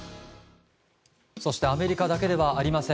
そしてアメリカだけではありません。